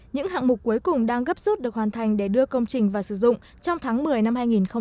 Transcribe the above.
những hạng mục cuối cùng đang gấp rút được hoàn thành để đưa công trình và sử dụng trong tháng một mươi năm hai nghìn một mươi sáu